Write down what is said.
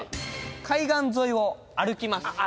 海岸沿いを歩きます。